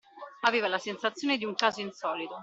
Aveva la sensazione di un caso insolito